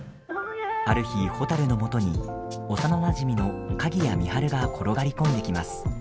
ある日、ほたるのもとに幼なじみの鍵谷美晴が転がり込んできます。